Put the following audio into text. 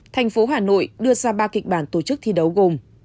thành phố hà nội đưa ra ba kịch bản tổ chức thi đấu gồm